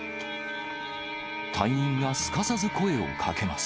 隊員がすかさず声をかけます。